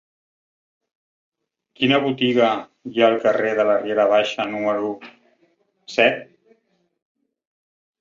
Quina botiga hi ha al carrer de la Riera Baixa número set?